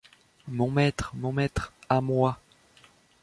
Mon maître! mon maître ! à moi !...